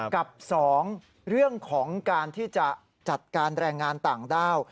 กับ๒เรื่องของการที่จะจัดการแรงงานต่างด้าว